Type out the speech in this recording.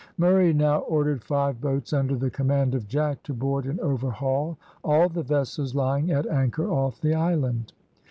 Murray now ordered five boats under the command of Jack to board and overhaul all the vessels lying at anchor off the island.